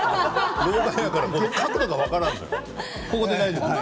老眼だから角度が分からんのよ。